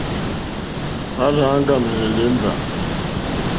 Hwá rzà áŋɡàmɛ̀nɛ̀ lěmbà.